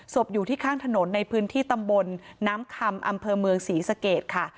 อยู่ที่ข้างถนนในพื้นที่ตำบลน้ำคำอำเภอเมืองศรีสเกตค่ะ